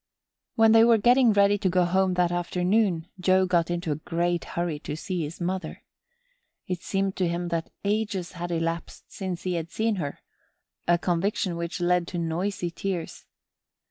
When they were getting ready to go home that afternoon Joe got into a great hurry to see his mother. It seemed to him that ages had elapsed since he had seen her a conviction which led to noisy tears.